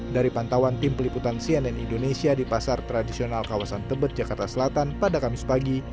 dari pantauan tim peliputan cnn indonesia di pasar tradisional kawasan tebet jakarta selatan pada kamis pagi